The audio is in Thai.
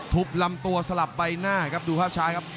ลำตัวสลับใบหน้าครับดูภาพช้าครับ